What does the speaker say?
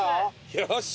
よし！